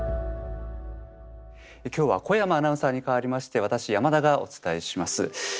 今日は小山アナウンサーに代わりまして私山田がお伝えします。